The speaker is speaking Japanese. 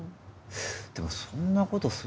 でもそんなことする。